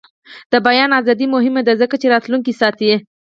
د بیان ازادي مهمه ده ځکه چې راتلونکی ساتي.